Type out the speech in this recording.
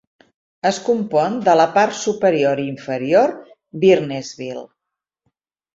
Es compon de la part superior i inferior Byrnesville.